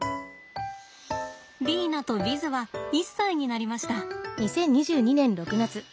リーナとヴィズは１歳になりました。